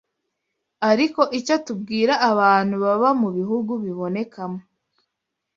ariko icyo tubwira abantu baba mu bihugu bibonekamo